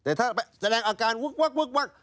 แต่ถ้าแสดงอาการวึกวัก